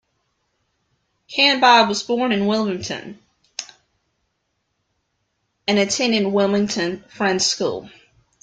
Canby was born in Wilmington, and attended Wilmington Friends School.